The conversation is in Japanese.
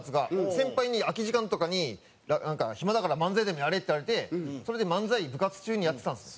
先輩に空き時間とかに「暇だから漫才でもやれ」って言われてそれで漫才部活中にやってたんですよ。